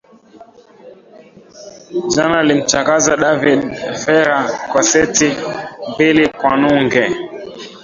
jana alimchakaza david fera kwa seti mbili kwa nunge